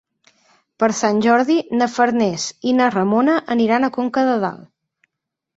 Per Sant Jordi na Farners i na Ramona aniran a Conca de Dalt.